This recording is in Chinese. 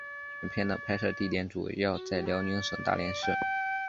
影片的拍摄地点主要在辽宁省大连市。